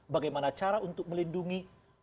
bagaimana cara untuk melindungi